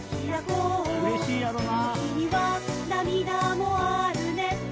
うれしいやろな。